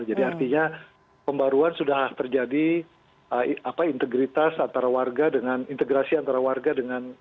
jadi artinya pembaruan sudah terjadi integritas antara warga dengan integrasi antara warga dengan